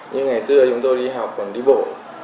nhưng ngày xưa chúng tôi đi học còn đi bộ